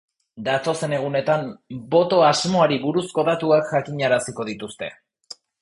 Datozen egunetan boto-asmoari buruzko datuak jakinaraziko dituzte.